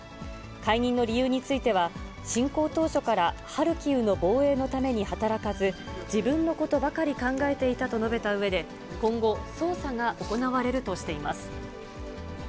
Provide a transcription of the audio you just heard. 解任の理由については、侵攻当初から、ハルキウの防衛のために働かず、自分のことばかり考えていたと述べたうえで、今後、捜査が行われるとしています。